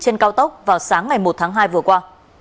trên cao tốc vào sáng ngày một tháng hai vừa qua